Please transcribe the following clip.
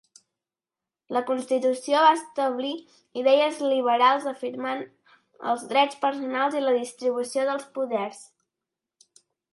La Constitució va establir idees liberals, afirmant els drets personals i la distribució dels poders.